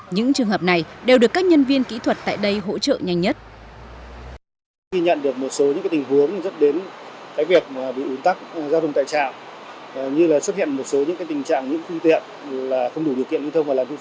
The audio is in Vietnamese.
những trường hợp này đều được các nhân viên kỹ thuật tại đây hỗ trợ nhanh nhất